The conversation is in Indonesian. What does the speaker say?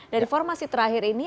dari formasi terakhir ini